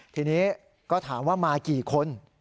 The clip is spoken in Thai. ทีนี้ก็ถามว่ามากี่คน